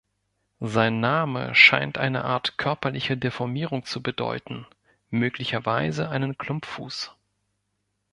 Sein Name scheint eine Art körperliche Deformierung zu bedeuten, möglicherweise einen Klumpfuß.